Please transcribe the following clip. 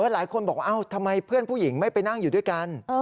หลายคนบอกว่าทำไมเพื่อนผู้หญิงไม่ไปนั่งอยู่ด้วยกัน